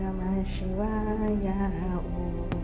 โอมาศีวะยาโอ